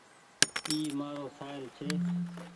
اي مآرو سآهيل ڇي